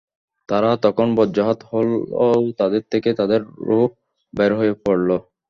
তারা তখন বজ্রাহত হল ও তাদের থেকে তাদের রূহ বের হয়ে পড়ল।